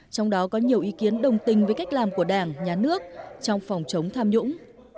trong đó có nhiều ý kiến đồng tình với cách làm của đảng nhà nước trong phòng chống tham nhũng